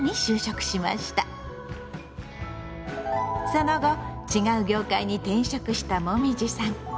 その後違う業界に転職したもみじさん。